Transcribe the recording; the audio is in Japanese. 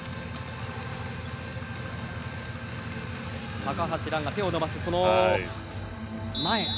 高橋藍が手を伸ばすその前。